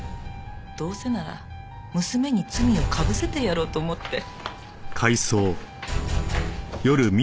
どうせなら娘に罪をかぶせてやろうと思って。